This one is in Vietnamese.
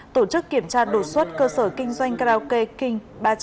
tổ chức kiểm tra đột xuất cơ sở kinh doanh karaoke king ba trăm sáu mươi năm